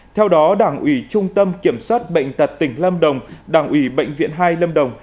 theo đó đảng ủy trung tâm kiểm soát bệnh tật tỉnh lâm đồng đảng ủy bệnh viện hai lâm đồng